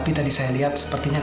pertama sekali pria dewa peluah